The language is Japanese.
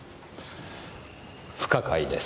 不可解です。